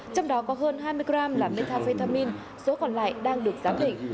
trong đó có hơn hai mươi gram là methamphetamine số còn lại đang được giám định